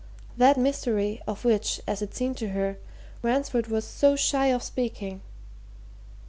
that mystery of which (as it seemed to her) Ransford was so shy of speaking.